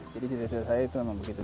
jadi cita cita saya itu memang begitu